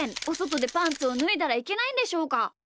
おそとでパンツをぬいだらいけないんでしょうか？